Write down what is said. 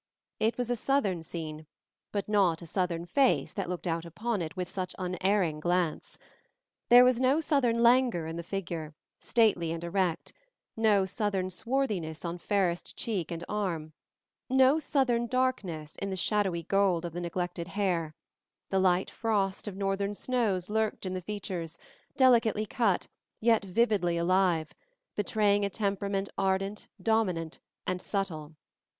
It was a southern scene, but not a southern face that looked out upon it with such unerring glance; there was no southern languor in the figure, stately and erect; no southern swarthiness on fairest cheek and arm; no southern darkness in the shadowy gold of the neglected hair; the light frost of northern snows lurked in the features, delicately cut, yet vividly alive, betraying a temperament ardent, dominant, and subtle.